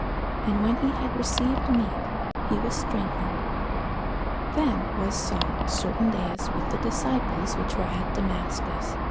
And when he had received meat, he was strengthened. Then was Saul certain days with the disciples which were at Damascus.